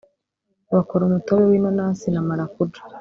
Bakora umutobe w’inanasi na marakuja